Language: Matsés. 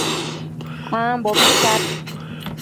ambobi tsad